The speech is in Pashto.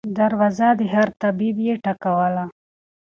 دروازه د هر طبیب یې ټکوله